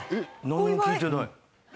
何も聞いてない。